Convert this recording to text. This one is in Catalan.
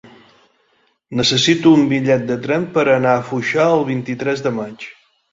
Necessito un bitllet de tren per anar a Foixà el vint-i-tres de maig.